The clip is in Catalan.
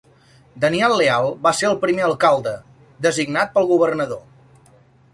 Daniel Leal va ser el primer alcalde, designat pel governador.